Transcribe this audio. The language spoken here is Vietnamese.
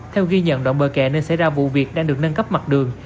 theo ghi nhận đoạn bờ kè nên xảy ra vụ việc đang được nâng cấp mặt đường